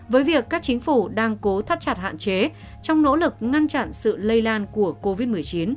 với việc các chính phủ đang cố thắt chặt hạn chế trong nỗ lực ngăn chặn sự lây lan của covid một mươi chín